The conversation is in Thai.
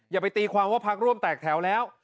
อย่าไปตีความว่าพักร่วมแตกแถวแล้ว